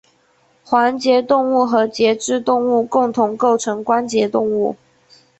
环节动物和节肢动物共同构成关节动物。